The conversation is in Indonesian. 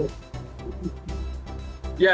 ya sebetulnya kemarin teman teman daripada kompornya